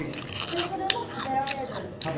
でそれも食べられる？